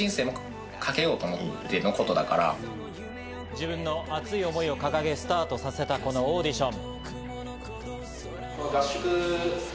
自分の熱い思いを掲げスタートさせたこのオーディション。